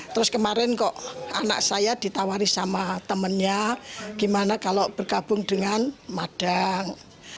terus kemarin kok anak saya ditawari sama temennya gimana kalau bergabung dengan madang